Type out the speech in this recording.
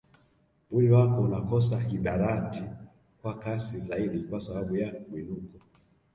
Mwili wako unakosa hidarati kwa kasi zaidi kwa sababu ya mwinuko